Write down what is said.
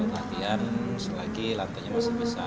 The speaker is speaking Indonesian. buat latihan selagi latihannya masih bisa